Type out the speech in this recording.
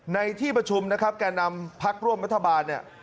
ในที่ประชุมแก่นำพักร่วมรัฐบาล